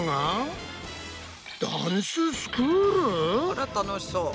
あら楽しそう。